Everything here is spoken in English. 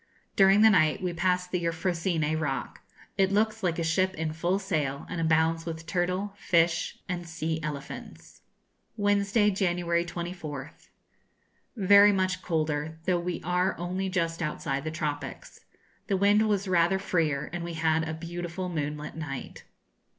During the night we passed the Euphrosyne rock. It looks like a ship in full sail, and abounds with turtle, fish, and sea elephants. Wednesday, January 24th. Very much colder, though we are only just outside the tropics. The wind was rather freer, and we had a beautiful moonlight night.